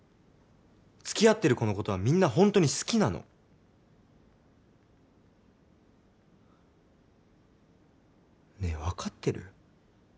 つきあってる子のことはみんなほんとに好きなのねぇ分かってる？